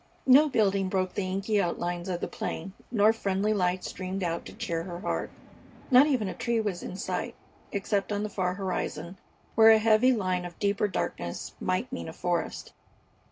No building broke the inky outlines of the plain, nor friendly light streamed out to cheer her heart. Not even a tree was in sight, except on the far horizon, where a heavy line of deeper darkness might mean a forest.